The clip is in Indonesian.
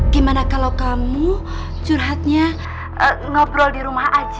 gimana kalau kamu curhatnya ngobrol di rumah aja